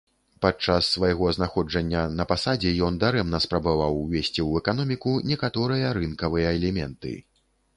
Падчас свайго знаходжання на пасадзе, ён дарэмна спрабаваў ўвесці ў эканоміку некаторыя рынкавыя элементы.